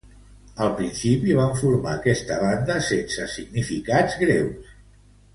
Al principi van formar esta banda sense significats greus.